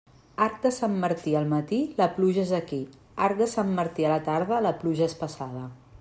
Arc de Sant Martí al matí, la pluja és aquí; arc de Sant Martí a la tarda, la pluja és passada.